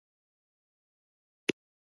روغتیا به ښه شي؟